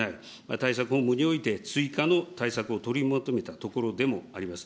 対策後において、追加の対策を取りまとめたところでもあります。